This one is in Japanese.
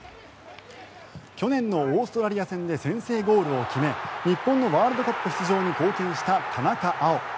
去年のオーストラリア戦で先制ゴールを決め日本のワールドカップ出場に貢献した田中碧。